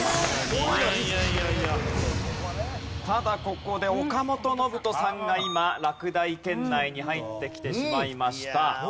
ただここで岡本信人さんが今落第圏内に入ってきてしまいました。